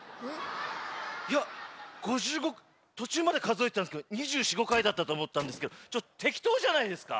とちゅうまでかぞえてたんですけど２４２５かいだったとおもったんですけどちょっとてきとうじゃないですか？